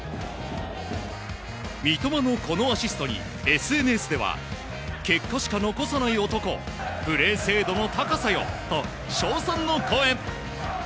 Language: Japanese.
三笘のこのアシストにＳＮＳでは結果しか残さない男プレー精度の高さよと称賛の声。